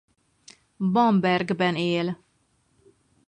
Bambergben él.